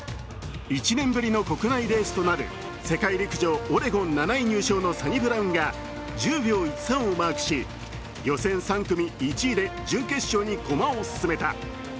１年ぶりの国内レースとなる世界陸上オレゴン７位入賞のサニブラウンが１０秒１３をマークし予選３組１位で準決勝に駒を進めた。